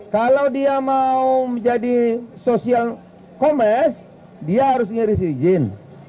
kalau dia mau menjadi social commerce dia harus ngiri